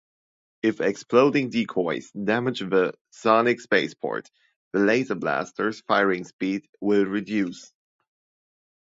If exploding decoys damage the Sonic Spaceport, the Laser Blaster's firing speed will reduce.